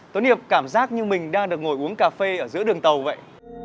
tối niệm cảm giác như mình đang được ngồi uống cà phê ở giữa đường tàu vậy